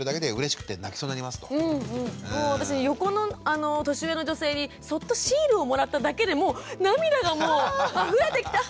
もう私横の年上の女性にそっとシールをもらっただけでもう涙がもうあふれてきて。